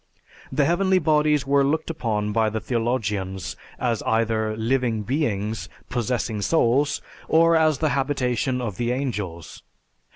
The heavenly bodies were looked upon by the theologians as either living beings possessing souls, or as the habitation of the angels.